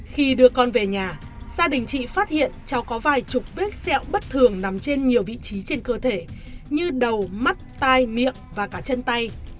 khi đưa con về nhà gia đình chị phát hiện cháu có vài chục vết xẹo bất thường nằm trên nhiều vị trí trên cơ thể như đầu mắt tai miệng và cả chân tay